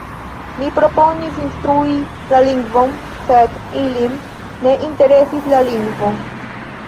Mi proponis instrui la lingvon sed ilin ne interesis la lingvo.